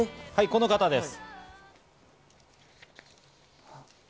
この方です。